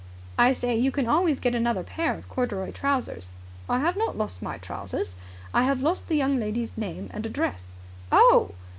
"I say you can always get another pair of corduroy trousers." "I have not lost my trousers. I have lost the young lady's name and address." "Oh!"